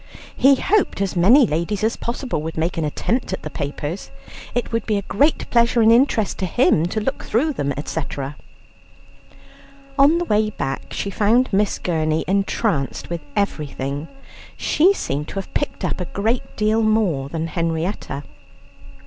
He hoped as many ladies as possible would make an attempt at the papers; it would be a great pleasure and interest to him to look through them, etc. On the way back she found Miss Gurney entranced with everything; she seemed to have picked up a great deal more than Henrietta.